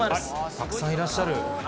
たくさんいらっしゃる。